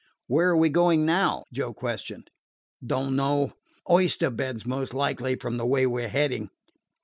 "Where are we going now?" Joe questioned. "Don't know; oyster beds most likely, from the way we 're heading."